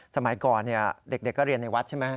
สมัยก่อนเด็กก็เรียนในวัดใช่ไหม